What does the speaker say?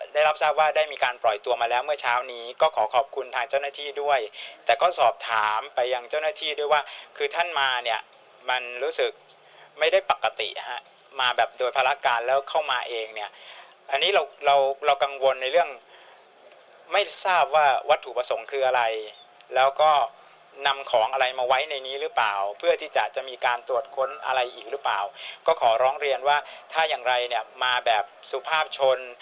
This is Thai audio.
ได้รับทราบว่าได้มีการปล่อยตัวมาแล้วเมื่อเช้านี้ก็ขอขอบคุณทางเจ้าหน้าที่ด้วยแต่ก็สอบถามไปยังเจ้าหน้าที่ด้วยว่าคือท่านมาเนี่ยมันรู้สึกไม่ได้ปกติมาแบบโดยภารการแล้วเข้ามาเองเนี่ยอันนี้เราเรากังวลในเรื่องไม่ทราบว่าวัตถุประสงค์คืออะไรแล้วก็นำของอะไรมาไว้ในนี้หรือเปล่าเพื่อที่จะจะมีการตรวจ